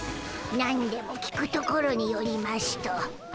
なんでも聞くところによりましゅと。